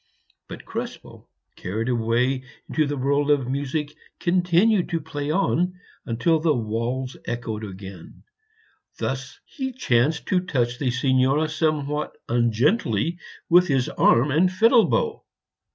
But Krespel, carried away into the world of music; continued to play on until the walls echoed again; thus he chanced to touch the Signora somewhat ungently with his arm and the fiddle bow.